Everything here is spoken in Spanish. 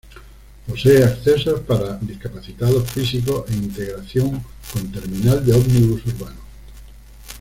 Posee accesos para discapacitados físicos e integración con Terminal de Ómnibus urbanos.